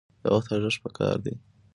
د وخت ارزښت پکار دی